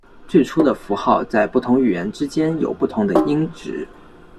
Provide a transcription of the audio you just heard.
最初的符号在不同语言之间有不同的音值。